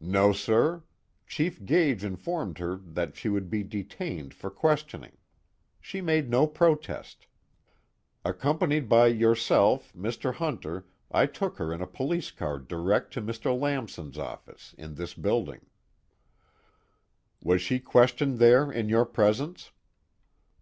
"No, sir. Chief Gage informed her that she would be detained for questioning. She made no protest. Accompanied by yourself, Mr. Hunter, I took her in a police car direct to Mr. Lamson's office, in this building." "Was she questioned there, in your presence?"